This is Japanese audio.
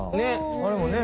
あれもね。